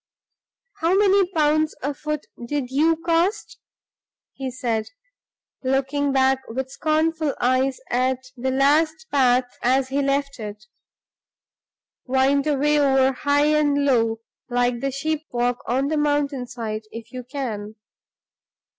"How many pounds a foot did you cost?" he said, looking back with scornful eyes at the last path as he left it. "Wind away over high and low like the sheep walk on the mountain side, if you can!"